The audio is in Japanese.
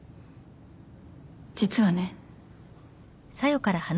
実はね。